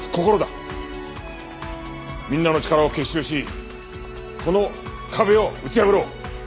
みんなの力を結集しこの壁を打ち破ろう。